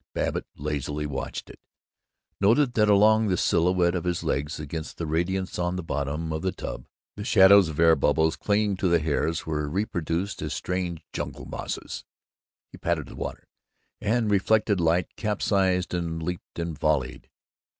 Babbitt lazily watched it; noted that along the silhouette of his legs against the radiance on the bottom of the tub, the shadows of the air bubbles clinging to the hairs were reproduced as strange jungle mosses. He patted the water, and the reflected light capsized and leaped and volleyed.